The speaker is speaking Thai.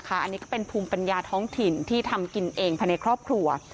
อันนี้ก็เป็นภูมิปัญญาท้องถิ่นที่ทำกินเองภายในครอบครัว